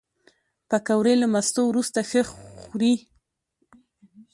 پکورې له مستو وروسته ښه خوري